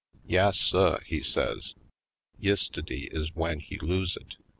"Yas suh," he says, "yistiddy is w'en he lose it.